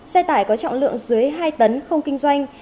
xe tải có trọng lượng dưới hai tấn không kinh doanh